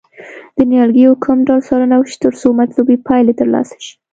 د نیالګیو کوم ډول څارنه وشي ترڅو مطلوبې پایلې ترلاسه شي.